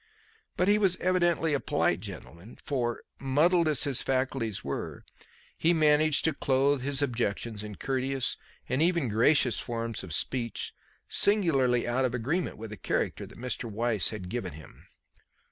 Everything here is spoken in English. But he was evidently a polite gentleman, for, muddled as his faculties were, he managed to clothe his objections in courteous and even gracious forms of speech singularly out of agreement with the character that Mr. Weiss had given him.